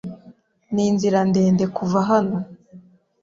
Ni inzira ndende kuva hano.